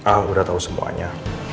aku udah tau semuanya